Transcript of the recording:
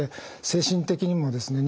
精神的にもですね